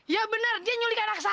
ya benar dia nyulik anak saya